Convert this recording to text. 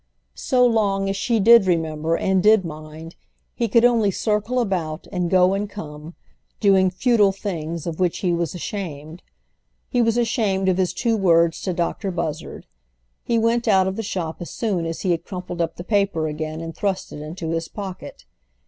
So long as she did remember and did mind he could only circle about and go and come, doing futile things of which he was ashamed. He was ashamed of his two words to Dr. Buzzard; he went out of the shop as soon as he had crumpled up the paper again and thrust it into his pocket.